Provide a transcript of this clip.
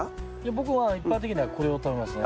僕は一般的にはこれを食べますね。